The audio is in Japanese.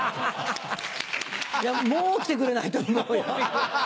いやもう来てくれないと思うよ。